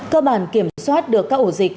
cơ bản kiểm soát được các ổ dịch